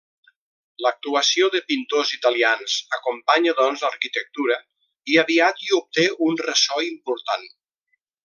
L'actuació de pintors italians acompanya, doncs, l'arquitectura, i aviat hi obté un ressò important.